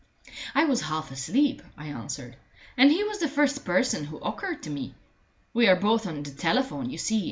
"I was half asleep," I answered, "and he was the first person who occurred to me. We are both on the telephone, you see.